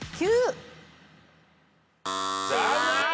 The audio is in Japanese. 残念。